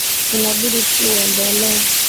Inabidi tu uendelee